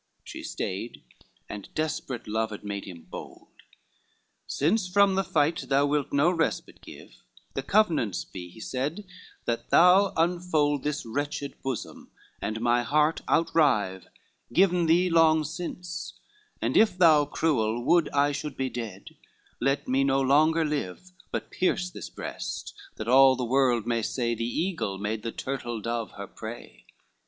XXVII She stayed, and desperate love had made him bold; "Since from the fight thou wilt no respite give, The covenants be," he said, "that thou unfold This wretched bosom, and my heart out rive, Given thee long since, and if thou, cruel, would I should be dead, let me no longer live, But pierce this breast, that all the world may say, The eagle made the turtle dove her prey.